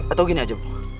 atau gini aja bu